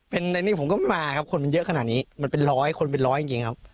เป็นร้อยคนเป็นร้อยจริงครับ